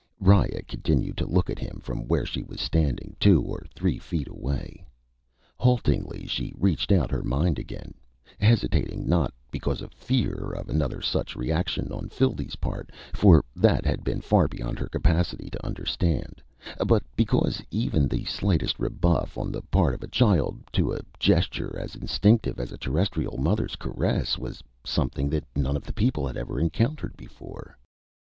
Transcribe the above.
Riya continued to look at him from where she was standing, two or three feet away. Haltingly, she reached out her mind again hesitating not because of fear of another such reaction on Phildee's part, for that had been far beyond her capacity to understand, but because even the slightest rebuff on the part of a child to a gesture as instinctive as a Terrestrial mother's caress was something that none of the people had ever encountered before.